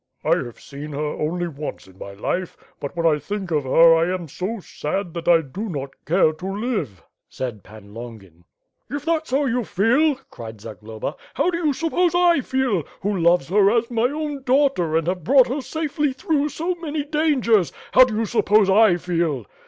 '^ "I have seen her only once in my life; but when I think of her I am so sad that I do not care to live," said Pan Longin. 452 WITH FIRE AND SWORD. ^53 "If that's how you feel/' cried Zagloba, "how do you sup pose I feel, who loves her as my own daughter and have brought her safely through so many dangers — how do you suppose I feel!"